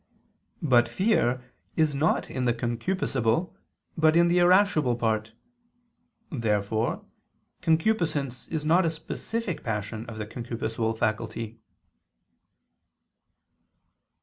But fear is not in the concupiscible, but in the irascible part. Therefore concupiscence is not a specific passion of the concupiscible faculty.